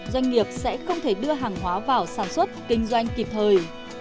doanh nghiệp sẽ không thể đưa hàng hóa vào sản xuất kinh doanh kịp thời